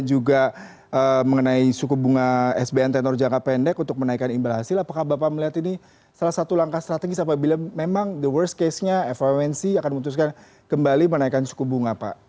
jadi akan memutuskan kembali menaikkan suku bunga pak